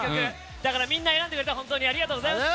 だからみんな選んでくれて本当にありがとうございます。